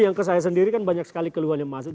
yang ke saya sendiri kan banyak sekali keluhan yang masuk